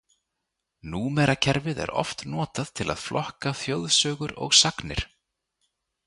Númerakerfið er oft notað til að flokka þjóðsögur og sagnir.